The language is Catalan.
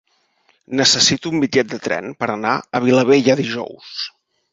Necessito un bitllet de tren per anar a Vilabella dijous.